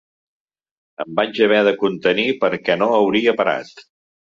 Em vaig haver de contenir perquè no hauria parat.